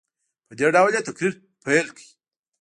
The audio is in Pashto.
په دې ډول یې تقریر پیل کړ.